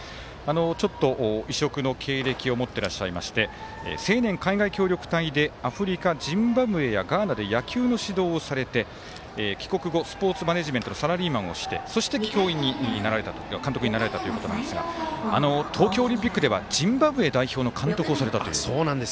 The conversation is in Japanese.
ちょっと異色の経歴を持ってらっしゃいまして青年海外協力隊でアフリカのジンバブエやガーナで野球の指導をされて帰国後、スポーツマネジメントのサラリーマンをしてそして、教員になられたということなんですが東京オリンピックではジンバブエの監督をされたという。